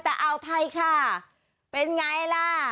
แต่อ่าวไทยค่ะเป็นไงล่ะ